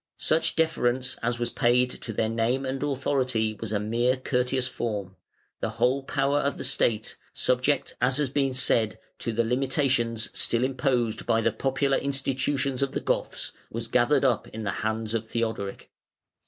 Such deference as was paid to their name and authority was a mere courteous form; the whole power of the State subject, as has been said, to the limitations still imposed by the popular institutions of the Goths was gathered up in the hands of Theodoric.